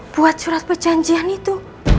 buat surat perjanjian itu